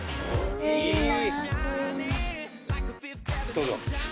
どうぞ。